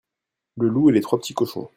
le loup et les trois petits cochons.